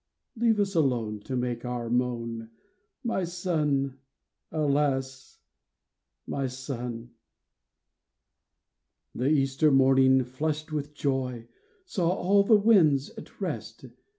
Leave us alone to make our moan — My son ! alas, my son !" The Easter morning, flushed with joy, Saw all the winds at rest.